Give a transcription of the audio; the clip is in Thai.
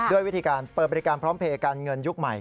ด้วยวิธีการเปิดบริการพร้อมเพย์การเงินยุคใหม่